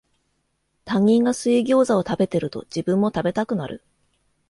他人が水ギョウザを食べてると、自分も食べたくなる